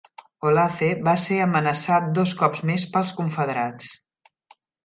Olathe va ser amenaçat dos cops més pels Confederats.